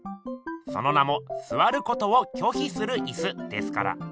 その名も「坐ることを拒否する椅子」ですから。